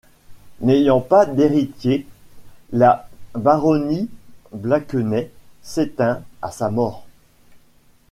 N'ayant pas d'héritier, la baronnie Blakeney s'éteint à sa mort.